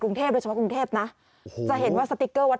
กรุงเทพโดยเฉพาะกรุงเทพนะจะเห็นว่าสติ๊กเกอร์วัด